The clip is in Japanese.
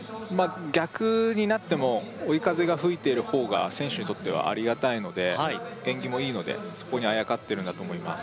逆になっても追い風が吹いている方が選手にとってはありがたいのではい縁起もいいのでそこにあやかってるんだと思います